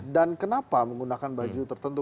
dan kenapa menggunakan baju tertentu